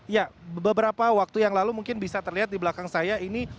ya beberapa waktu yang lalu mungkin bisa terlihat di belakang saya ini